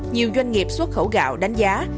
nhiều doanh nghiệp xuất khẩu gạo đánh giá